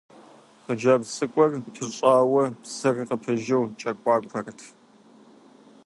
Хъыджэбз цӀыкӀур пӀыщӀауэ, псыр къыпыжу кӀэкуакуэрт.